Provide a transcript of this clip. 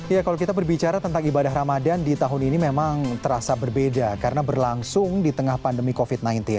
ya kalau kita berbicara tentang ibadah ramadan di tahun ini memang terasa berbeda karena berlangsung di tengah pandemi covid sembilan belas